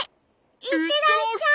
いってらっしゃい！